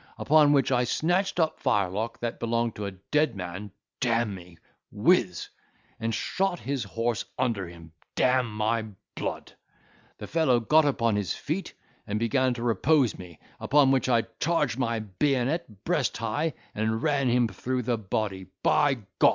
Upon which, I snatched up firelock that belonged to a dead man, d—me! Whiz! and shot his horse under him, d—n my blood! The fellow got upon his feet, and began to repose me, upon which I charged my bayonet breast high, and ran him through the body by G—!